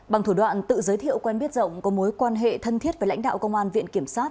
bằng thủ đoạn tự giới thiệu quen biết rộng có mối quan hệ thân thiết với lãnh đạo công an viện kiểm sát